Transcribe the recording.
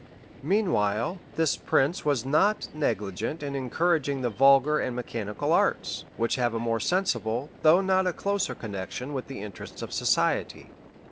] Meanwhile, this prince was not negligent in encouraging the vulgar and mechanical arts, which have a more sensible, though not a closer connection with the interests of society.